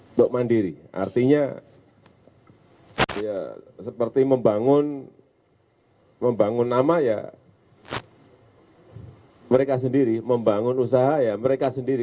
untuk mandiri artinya ya seperti membangun nama ya mereka sendiri membangun usaha ya mereka sendiri